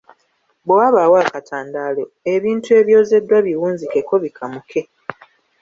Bwe wabaawo akatandaalo, ebintu ebyozeddwa biwunzikeko bikamuke.